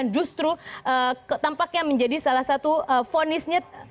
justru tampaknya menjadi salah satu vonisnya